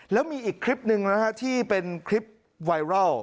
แล้วมีอีกคลิปหนึ่งนะฮะที่เป็นคลิปไวรัล